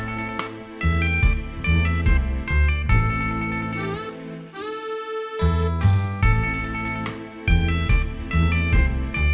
สร้างลมิวปองไม่้มา